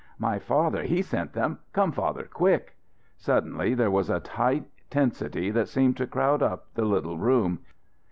"My father, he sent them. Come, father quick!" Suddenly there was a tight tensity that seemed to crowd up the little room.